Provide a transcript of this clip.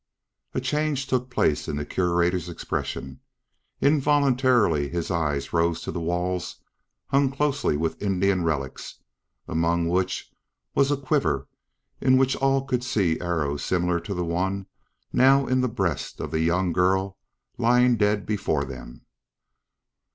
A change took place in the Curator's expression. Involuntarily his eyes rose to the walls hung closely with Indian relics, among which was a quiver in which all could see arrows similar to the one now in the breast of the young girl lying dead before them.